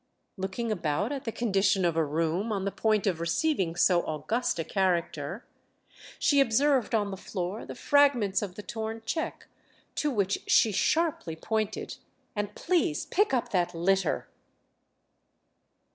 Looking about at the condition of a room on the point of receiving so august a character, she observed on the floor the fragments of the torn cheque, to which she sharply pointed. "And please pick up that litter!"